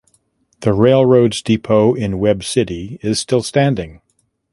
The railroad’s depot in Webb City is still standing.